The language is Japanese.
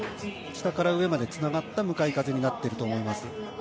下から上までつながった向かい風になっていると思います。